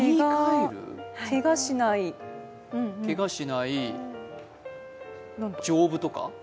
けがしない丈夫とか？